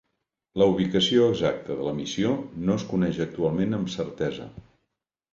La ubicació exacta de la missió no es coneix actualment amb certesa.